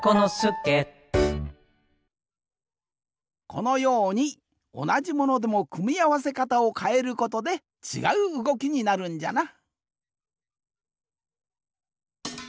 このようにおなじものでもくみあわせかたをかえることでちがううごきになるんじゃな。